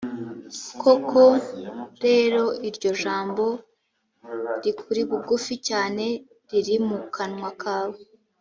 koko rero iryo jambo rikuri bugufi cyane, riri mu kanwa kawe